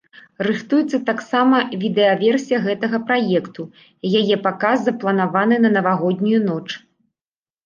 Рыхтуецца таксама відэаверсія гэтага праекту, яе паказ запланаваны на навагоднюю ноч.